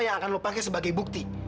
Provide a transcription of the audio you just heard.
yang akan lo pake sebagai bukti